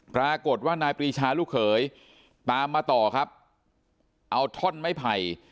ปรากฏว่านายปรีชาลูกเขยตามมาต่อครับเอาท่อนไม้ไผ่